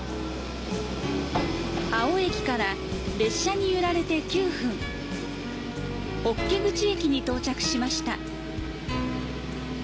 粟生駅から列車に揺られて９分、法華口駅に到着しました。